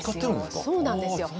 そうなんですよ。